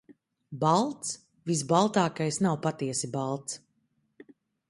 Balts visbaltākais nav patiesi balts.